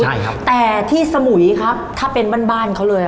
ใช่ครับแต่ที่สมุยครับถ้าเป็นบ้านบ้านเขาเลยอ่ะ